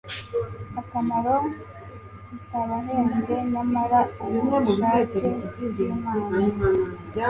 akamaro bitabahenze Nyamara ubushake bwImana